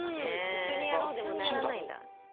一緒にやらないんだ。